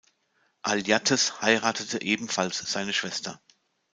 Alyattes heiratete ebenfalls seine Schwester.